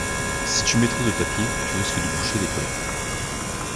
Si tu mets trop de papier, tu risques de boucher les toilettes.